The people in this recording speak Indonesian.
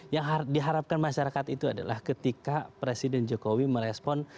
yang diharapkan masyarakat itu adalah ketika presiden jokowi merespon